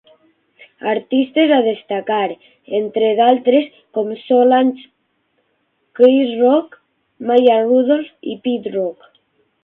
Artistes a destacar, entre d'altres, com Solange, Chris Rock, Maya Rudolph i Pete Rock.